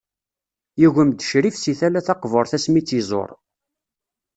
Yugem-d Ccrif seg tala taqburt asmi i tt-iẓur.